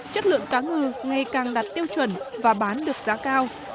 chất lượng cá ngừ ngày càng đạt tiêu chuẩn và bán được giá cao